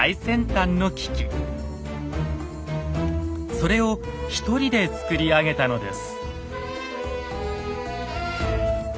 それを一人で作り上げたのです。